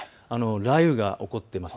雷雨が起こっています。